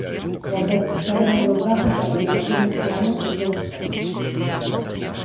Por certo, xa veremos os datos da liquidación deste ano, que todos temos.